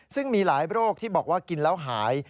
ซึ่งมีหลายโรคที่บอกว่ากินแล้วหาย